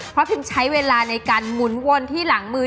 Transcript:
เพราะพิมใช้เวลาในการหมุนวนที่หลังมือ